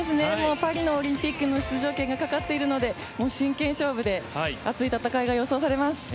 パリのオリンピックの出場権がかかっているので真剣勝負で熱い戦いが予想されます。